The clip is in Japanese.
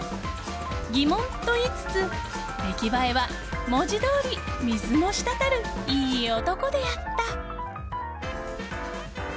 疑問と言いつつ出来栄えは文字どおり水も滴るいい男であった。